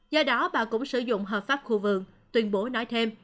do đó bà cũng sử dụng hợp pháp khu vườn tuyên bố nói thêm